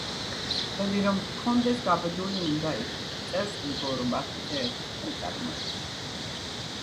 "ბედი რომ გქონდეს, გაბედული უნდა იყო", წერს გრიგოლ რობაქიძე ერთ-ერთ ნაწარმოებში.